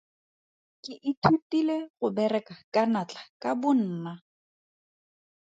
Ke ithutile go bereka ka natla ka bonna.